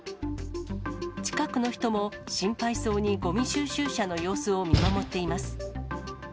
近くの人も、心配そうにごみ収集車の様子を見守っています。